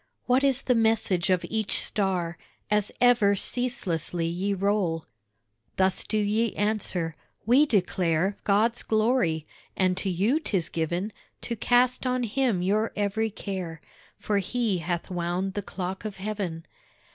What is the message of each star As ever ceaselessly ye roll? Thus do ye answer: "We declare God's glory; and to you 'tis given To cast on him your every care, For he hath wound the clock of heaven."